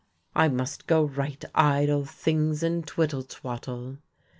"I must go write idle things, and twittle twattle."